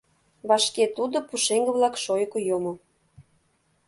Вашке тудо пушеҥге-влак шойыко йомо.